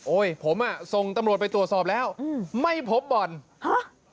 ผมอ่ะส่งตำรวจไปตรวจสอบแล้วอืมไม่พบบ่อนฮะ